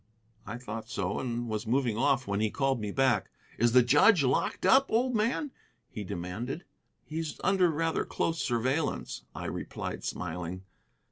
I thought so, and was moving off when he called me back. "Is the judge locked up, old man?" he demanded. "He's under rather close surveillance," I replied, smiling.